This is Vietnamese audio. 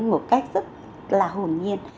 một cách rất là hồn nhiên